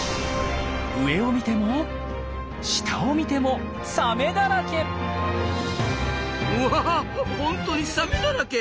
上を見ても下を見てもうわ本当にサメだらけ。